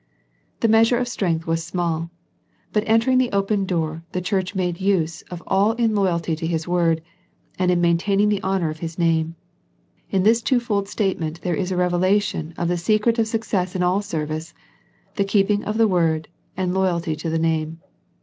The measure of strength was small, but entering the open door the church made use of all in loyalty to His word, and in main taining the honour of His name. In this two fold statement there is a .revelation of the se cret of success in all service, the keeping of the word, and loyalty to the name.